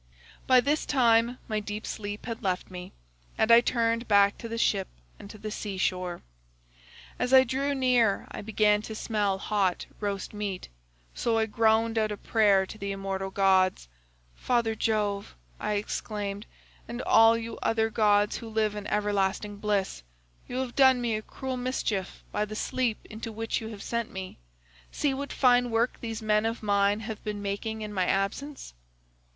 "By this time my deep sleep had left me, and I turned back to the ship and to the sea shore. As I drew near I began to smell hot roast meat, so I groaned out a prayer to the immortal gods. 'Father Jove,' I exclaimed, 'and all you other gods who live in everlasting bliss, you have done me a cruel mischief by the sleep into which you have sent me; see what fine work these men of mine have been making in my absence.